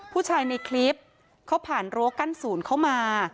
ผู้ชายในคลิปเขาผ่านรั้วกั้นศูนย์เข้ามา